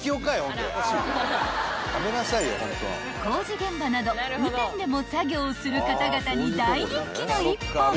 ［工事現場など雨天でも作業する方々に大人気の一本］